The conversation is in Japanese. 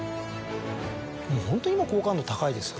もうホント今好感度高いですよ。